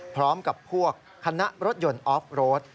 พร้อมกับพวกคณะรถยนต์ออฟโรด